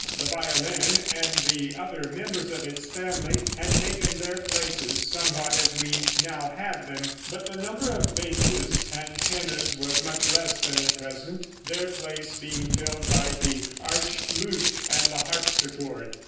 The violin and the other members of its family had taken their places somewhat as we now have them, but the number of basses and tenors was much less than at present, their place being filled by the archlute and the harpsichord.